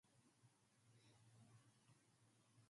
Another of her hit songs was "I'm Cravin' for that Kind of Love".